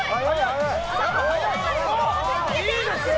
いいですよ！